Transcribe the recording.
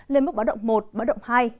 lên mức báo động một báo động hai